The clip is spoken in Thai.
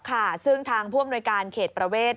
ค่ะซึ่งทางภวมนวยการเขตประเวท